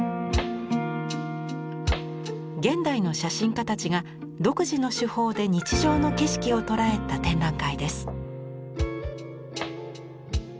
現代の写真家たちが独自の手法で日常の景色をとらえた展覧会です。